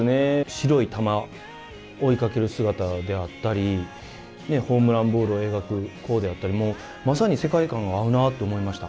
白い球を追いかける姿であったりホームランボールを描く弧であったりもう、まさに世界観が合うなと思いました。